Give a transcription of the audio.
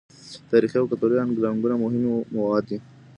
تاریخي او کلتوري الانګونه مهمې مواد دي.